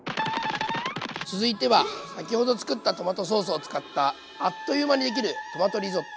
続いては先ほどつくったトマトソースを使ったあっという間にできるトマトリゾット。